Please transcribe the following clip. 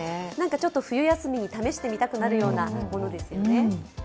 ちょっと冬休みに試してみたくなるようなものですよね。